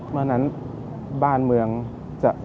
เมื่อนั้นบ้านเมืองจะสงบและจะเจริญ